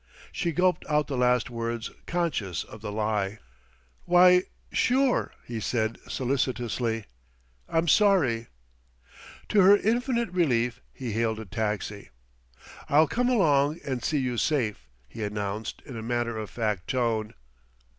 She gulped out the last words conscious of the lie. "Why sure," he said solicitously. "I'm sorry." To her infinite relief he hailed a taxi. "I'll come along and see you safe," he announced in a matter of fact tone.